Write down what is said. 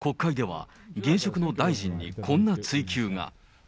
きょう、国会では現職の大臣にこんな追及が。